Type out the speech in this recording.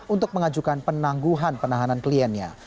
untuk mengajukan penangguhan penahanan kliennya